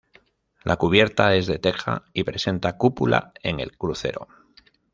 La cubierta es de teja y presenta cúpula en el crucero.